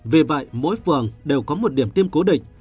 vì vậy mỗi phường đều có một điểm tiêm cố định